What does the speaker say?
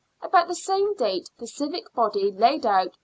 About the same date the civic body laid out 3s.